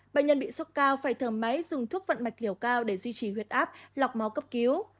bệnh nhân bị sốc cao phải thở máy dùng thuốc vận mạch liều cao để duy trì huyết áp lọc máu cấp cứu